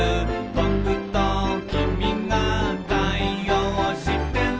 「ぼくときみが対応してる」